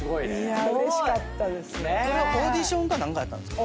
オーディションか何かやったんですか？